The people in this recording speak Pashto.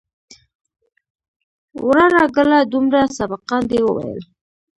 وراره گله دومره سبقان دې وويل.